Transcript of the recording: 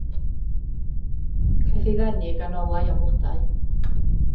Caiff ei ddenu gan olau a blodau.